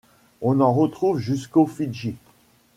On en retrouve jusqu'au Fidji.